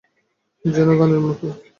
যেন গানের মতো।